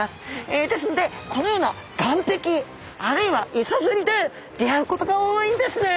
ですのでこのような岸壁あるいは磯釣りで出会うことが多いんですね。